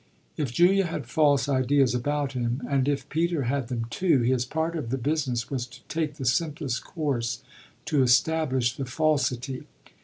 If Julia had false ideas about him, and if Peter had them too, his part of the business was to take the simplest course to establish the falsity.